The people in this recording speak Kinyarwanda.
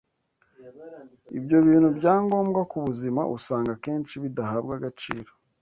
Ibyo bintu bya ngombwa ku buzima usanga akenshi bidahabwa agaciro